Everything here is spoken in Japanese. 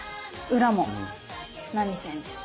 裏も波線です。